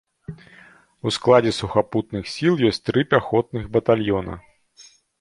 У складзе сухапутных сіл ёсць тры пяхотных батальёна.